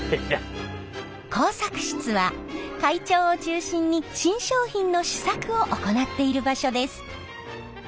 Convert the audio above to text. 工作室は会長を中心に新商品の試作を行っている場所です。